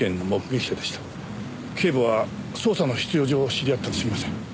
警部は捜査の必要上知り合ったにすぎません。